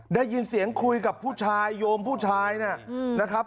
ได้ยินเสียงคุยกับผู้ชายโยมผู้ชายนะครับ